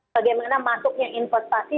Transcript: bagaimana masuknya investasi